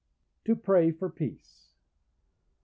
To Pray for Peace.